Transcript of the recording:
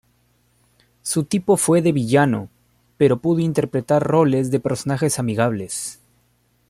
Su tipo fue de villano, pero pudo interpretar roles de personajes amigables.